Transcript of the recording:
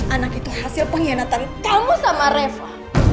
anak itu hasil pengkhianatan tamu sama reva